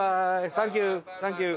サンキューサンキュー。